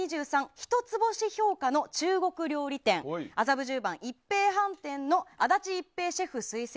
一つ星評価の中国料理店麻布十番、一平飯店の安達一平シェフ推薦